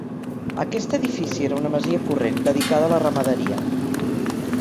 Aquest edifici era una masia corrent, dedicada a la ramaderia.